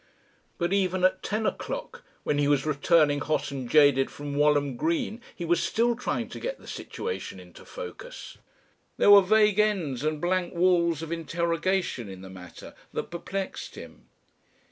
But even at ten o'clock, when he was returning hot and jaded from Walham Green, he was still trying to get the situation into focus. There were vague ends and blank walls of interrogation in the matter, that perplexed him.